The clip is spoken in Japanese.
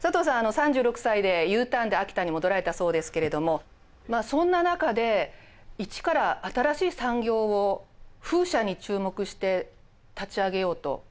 ３６歳でＵターンで秋田に戻られたそうですけれどもそんな中で一から新しい産業を風車に注目して立ち上げようと思われたわけですよね？